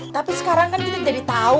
tapi sekarang kan kita jadi tahu